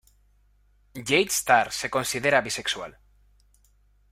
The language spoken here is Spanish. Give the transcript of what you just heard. Jade Starr se considera bisexual.